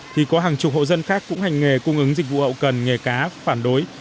thì có hàng chục hộ dân khác cũng hành nghề cung ứng dịch vụ hậu cần nghề cá phản đối